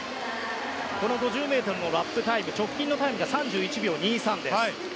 ５０ｍのラップタイム直近のタイムが３１秒２３です。